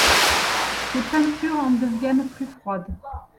Ses peintures en deviennent plus froides.